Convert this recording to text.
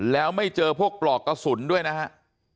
แล้วไม่เจอพวกปลอกกระสุนด้วยนะฮะ